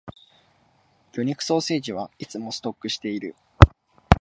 魚肉ソーセージはいつもストックしている